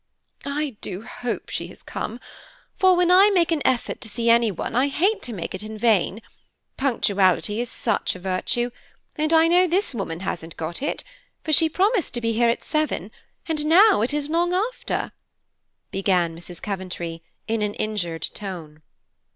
"I do hope she has come, for, when I make an effort to see anyone, I hate to make it in vain. Punctuality is such a virtue, and I know this woman hasn't got it, for she promised to be here at seven, and now it is long after," began Mrs. Coventry, in an injured tone.